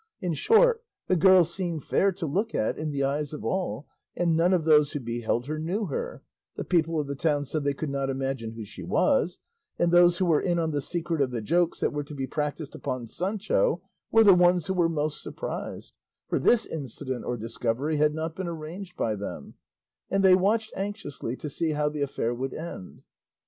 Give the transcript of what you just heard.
In short, the girl seemed fair to look at in the eyes of all, and none of those who beheld her knew her, the people of the town said they could not imagine who she was, and those who were in the secret of the jokes that were to be practised upon Sancho were the ones who were most surprised, for this incident or discovery had not been arranged by them; and they watched anxiously to see how the affair would end.